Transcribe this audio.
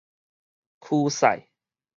驅使